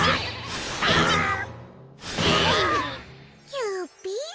キュピー。